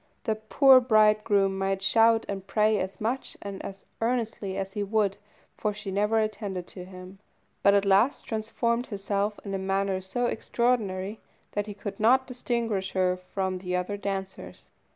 The poor bridegroom might shout and pray as much and as earnestly as he would, for she never attended to him, but at last transformed herself in a manner so extraordinary that he could not distinguish her from the other dancers.